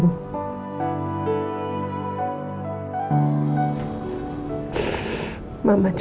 orangnya membawa tamu